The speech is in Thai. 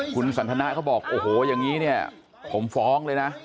คุณสันทนาเขาบอกโอ้โหอย่างนี้เนี่ยผมฟ้องเลยนะ